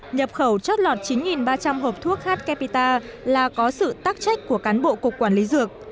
nhập khẩu chất lọt chín ba trăm linh hộp thuốc h capita là có sự tắc trách của cán bộ cục quản lý dược